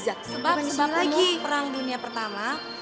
sebab lagi perang dunia pertama